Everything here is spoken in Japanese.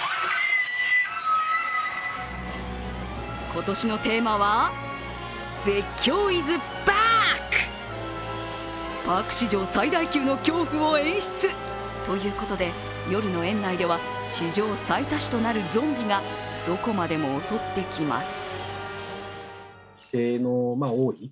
今年のテーマは「絶恐ｉｓＢａａａａｃｋ！！！！」。パーク史上最大級の恐怖を演出ということで、夜の園内では史上最多種となるゾンビがどこまでも襲ってきます。